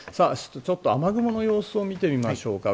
ちょっと雨雲の様子を見てみましょうか。